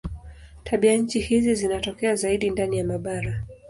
Tabianchi hizi zinatokea zaidi ndani ya mabara.